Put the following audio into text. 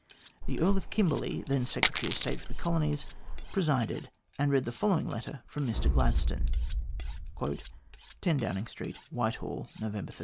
The Earl of Kimberley, then Secretary of State for the Colonies, presided, and read the following letter from Mr Gladstone : 10 DOWNING STREET, WHITEHALL, November 13.